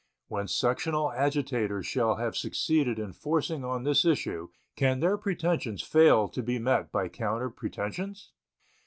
When sectional agitators shall have succeeded in forcing on this issue, can their pretensions fail to be met by counter pretensions?